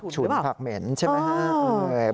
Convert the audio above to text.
ฉุนผักเหม็นใช่ไหมครับ